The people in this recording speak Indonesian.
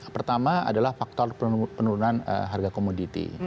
pertama adalah faktor penurunan harga komoditi